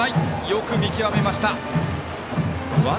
よく見極めました。